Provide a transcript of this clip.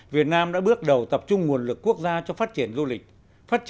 việt nam đã bước đầu tập trung nguồn lực quốc gia cho phát triển du lịch